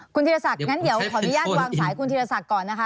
คุณธีรศักดิ์งั้นเดี๋ยวขออนุญาตวางสายคุณธีรศักดิ์ก่อนนะคะ